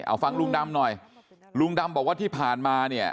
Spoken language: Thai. เอาฟังลุงดำหน่อยลุงดำบอกว่าที่ผ่านมาเนี่ย